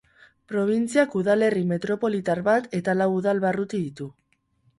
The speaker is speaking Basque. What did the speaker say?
Probintziak udalerri metropolitar bat eta lau udal-barruti ditu.